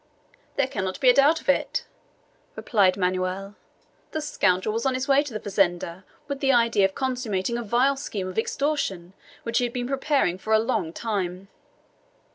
"There cannot be a doubt of it," replied Manoel. "The scoundrel was on his way to the fazenda with the idea of consummating a vile scheme of extortion which he had been preparing for a long time."